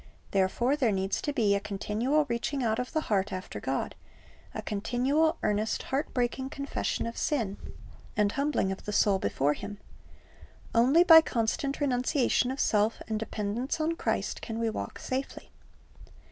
Therefore there needs to be a continual reaching out of the heart after God, a continual, earnest, heart breaking confession of sin and humbling of the soul before Him. Only by constant renunciation of self and dependence on Christ can we walk safely.